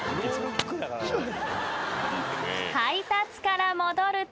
［配達から戻ると］